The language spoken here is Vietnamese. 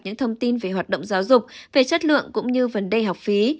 những thông tin về hoạt động giáo dục về chất lượng cũng như vấn đề học phí